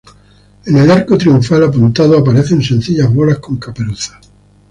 En el arco triunfal apuntado aparecen sencillas bolas con caperuza.